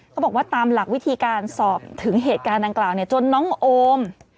เขาบอกว่าตามหลักวิธีการสอบถึงเหตุการณ์ดังกล่าวจนน้องโอม